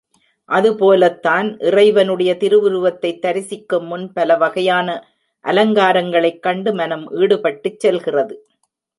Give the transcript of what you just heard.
அது போலத்தான் இறைவனுடைய திருவுருவத்தைத் தரிசிக்கும் முன் பலவகையான அலங்காரங்களைக் கண்டு மனம் ஈடுபட்டுச் செல்கிறது.